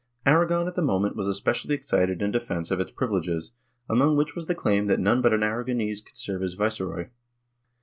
Aragon, at the moment, was especially excited in defence of its privileges, among which was the claim that none but an Aragonese could serve as viceroy.